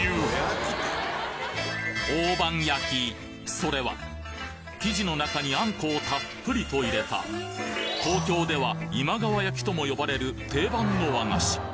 それは生地の中にあんこをたっぷりと入れた東京では今川焼きとも呼ばれる定番の和菓子